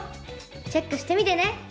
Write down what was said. チェックしてみてね！